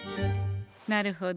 なるほど。